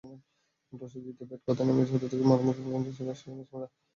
টসে জিতে ব্যাট করতে নেমে শুরু থেকেই মারমুখী ভঙ্গিতে ছিলেন অস্ট্রেলিয়ান ব্যাটসমানরা।